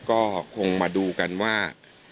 ก็คงมาดูกันว่า